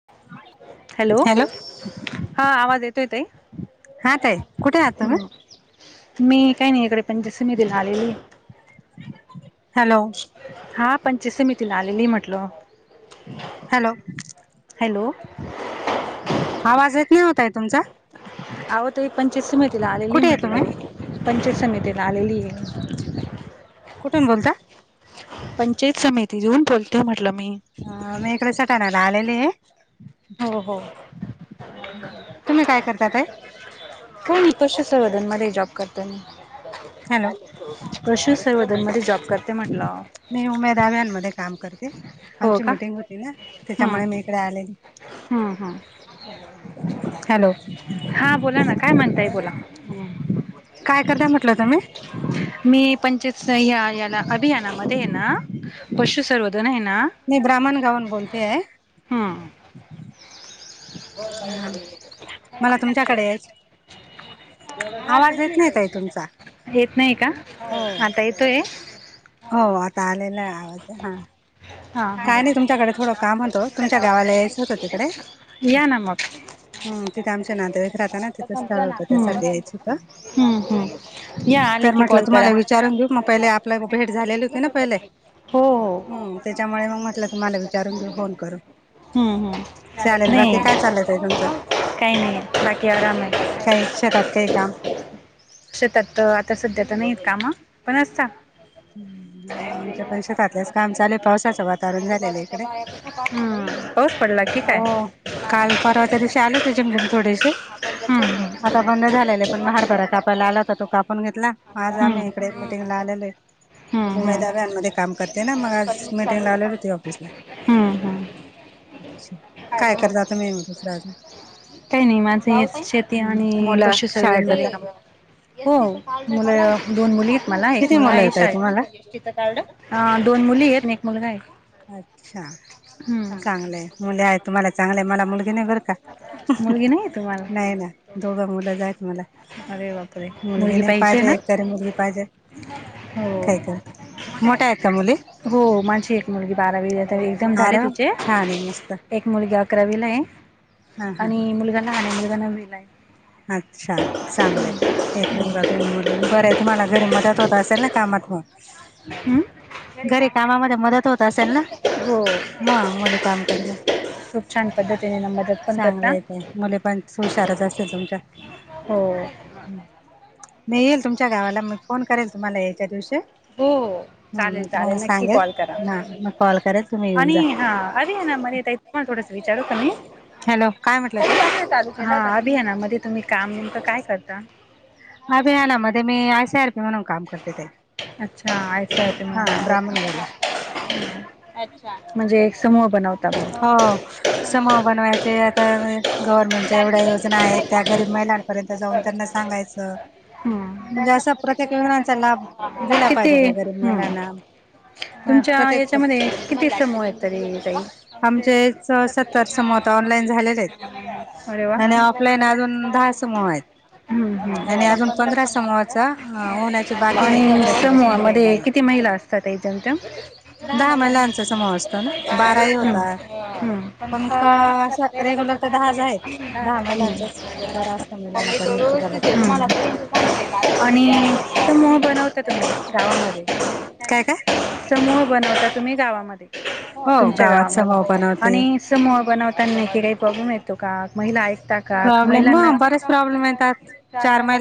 [unintelligible] Hello, हा आवाज येतोये ताई? हा, ताई. कुठे आहात तुम्हीं? मी काही नाही इकडे पंचायत समितीमध्ये आलेली आहे. हॅलो. हा पंचायत समितीला आलेली आहे म्हटलं. हॅलो. हॅलो. आवाज येत नाही ओ ताई तुमचा. अहो ताई पंचायत समितीला आलेली म्हंटलं, पंचायत समितीला आलेली आहे. कुठून बोलता? पंचायत समितीतून बोलतीये म्हटलं मी. मीे इकडं सटाण्याला आलेली आहे. तुम्हीं काय करता ताई? होय मी पशुसंवर्धन मध्ये जॉब करते मी. पशुसंवर्धन मध्ये जॉब करते म्हटलं. मी उमेदव्यांमध्ये काम करते, आमची मिटिंग होती ना त्याच्यामुळे मी इकडे आले. हं, हां.. हा बोला ना, काय म्हणताय बोला. काय करता म्हटलं तुम्हीं? मी पंचस या याला अभियानामध्ये आहे ना, पशुसर्वधन आहे ना हं... [unintelligible] आवाज येत नाही ताई तुमचा, येत नाही का आता येतोय.? हो, आता आलेला आहे आवाज हा... हा, हां.. काही नाही तुमच्याकडे काम होतं [unintelligible] या ना मग‌. आता संपलं ना, बघायचं का. हं.. हंहं.. तर म्हटलं तुम्हांला विचारून घेऊ, मग पहिले आपलं भेट झालेली होती ना पहिले. हो..... तेच्यामुळे मग म्हटलं, तुम्हांला विचारून घेऊ फोन करून. चालेल, बाकी काय चालयं ताई तुमचं? काही नाही, बाकी आराम आहे. शेतात आता सध्या तर नाही आहेत कामं, पण असतात. [unintelligible] आजूबाजूच्या बाया कसं पाहता बाई, हं... पाऊस पडला की काय. हो काल परवा च्या दिवशी आले होते झिंब झिंब थोडेसे! आता बंद झालेला आहे पण हरभरा कापायला आला तर तो कापून घेतला? आज आम्ही इकडे मीटिंग ला आलेलो आहे. उमेदार यांमध्ये काम करते ना मग आज मीटिंग ला आलेली होती ऑफिसला, काय करता तुम्ही दुसर अजून? काही नाही माझं हेच शेती आणि पशुसंवर्धन काम, हो मुलं दोन मुली आहेत मला एक मुलगा आहे शाळेत, एसटीच कार्ड हा दोन मुली आहेत आणि एक मुलगा आहे! अच्छा चांगल हाय मुली आहेत तुम्हाला चांगले मला मुलगी नाही बर? का नाही ना दोघं मुलं आहेत मला, मुलगी नाही पाहिजे एकतरी मुलगी पाहिजे! काही करतात मोठ्या आहेत का मुली, हो माझी एक मुलगी बारावीला आहे तर एक्झाम झाले तिचे एक मुलगी अकरावीला आहे. आणि मुलगा लहान आहे मुलगा नववीला आहे. अच्छा चांगल हाय, एक मुलगा दोन मुली बर हाय तुम्हाला घरी मदत होत असेल ना कामात मग. हम्म, घरी काम खूप असत्यात हो, छान पद्धतीने नंबर काढला, चांगलंय ताई मुली पण हुशारच असतील तुमच्या, हो, मी येईल तुमच्या गावाला मी फोन करेल तुम्हाला यायच्या दिवशी! हम् म तुम्हाला सांगेल ना मग कॉल करेल तुम्ही येऊन जा. आरी हाय ना मरे ताई तुम्हाला थोडंसं विचारू का नाही? हॅलो काय म्हटलं ताई? हा अभियाना मध्ये तुम्ही काम नेमकं काय करता? हा मध्ये मी आय सी आर पी म्हणून का? अच्छा आय सी आर पी म्हणून काम करता, अच्छा म्हणजे एक समूह बनवतो. हो, समूह बनवायचे आता गव्हर्नमेंटच्या एवढ्या योजना आहेत त्या गरीब महिलांना, हम्, किती हम्म तुमच्या याच्यामध्ये किती सम, मैत्री येतय का, आम ऑ अरे वा, समूह आहेत आणि अजून पंधरा समूहाचा हा. आणि समूहामध्ये किती महिला असतात एकच्यामच्या, दहा महिलांचा समूह असतो ना बाराही होतात! पण का असं रेग्युलर तर दहा आहेत दहा महिलांचाच म्हणजे बर असत? म मी दररोज तिथे मला पण आणि, समूह बनवत्यात तुम्ही गावामध्ये. समूह बनवता तुम्ही गावामध्ये तुमच्या गावामध्ये? हो बनवते, समूह बनवतानी काही प्रॉब्लेम येतो का महिला, त्या महिलांना म्हणतात चार महिला.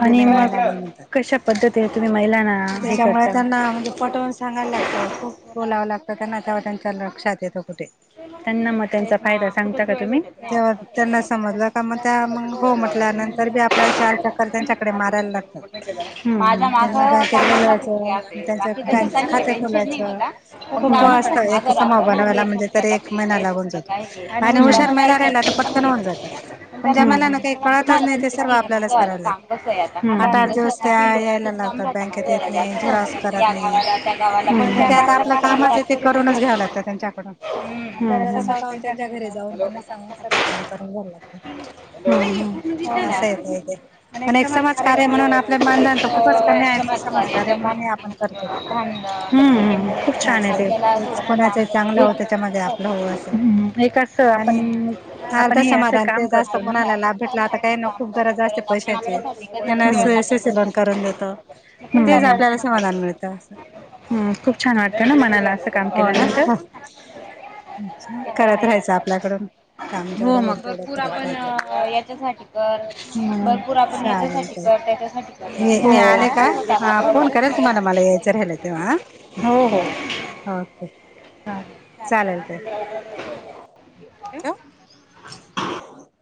आणि मग कशा पद्धतीने तुम्ही महिलांना हे करता हा म्हणजे पटवून सांगायला लागत, खूप बोलावं लागतं त्यांना तेव्हा त्यांच्या लक्षात येत कुठे. त्यांना मग त्यांचा फायदा सांगता का तुम्ही? तर बी आपल्याला चार चक्कर त्यांच्याकडे मारायला लागतात, त्यांना बँकेत बोलवायचं त्यांच बँक खाते खोलायचं, खूप असत एक समूह बनवायला म्हणजे तरी एक महिना लागून जातो, आणि हुशार महिला राहिल्या तर पटकन होऊन जात. पण ज्या महिलांना काही कळतच नाही ते सर्व आपल्यालाच कराव लागत, आठ आठ दिवस त्या यायला लावतात बँकेत येत नाही, झेरॉक्स करत नाही, पण ते आता आपलं कामच आहे ते करून घ्याव लागत त्यांच्याकडून. आपल्याला स्वतःहून त्यांच्या घरी जाऊन त्यांना सांगून सर्व काम करून घ्यायला लागतं. असं ये ते, ते पण एक समाज कार्य म्हणून आपल्यात मानधन तर खूपच कमी आहे समाजकार्य म्हणून आपण करतो, हे अस ये. कोणाचही चांगल होते त्याच्या माघे आपल हो आस, आणि अर्ध समाधान तेच असतं कोणाला लाभ भेटला आता काही ना खूप गरज असते पैशाची त्यांना आस सी सी लोन करून देतो म तेच आपल्याला समाधान मिळतं असं. हम खूप छान वाटतं ना मनाला असं काम केल्या नंतर. करत राहायचं आपल्याकडून. हो मग भरपूर आपण याच्यासाठी कर, भरपूर आपण याच्यासाठी कर, त्याच्या हो. हो हो. ओके. [inaudible]